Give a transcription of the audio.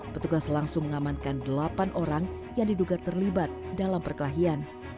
petugas langsung mengamankan delapan orang yang diduga terlibat dalam perkelahian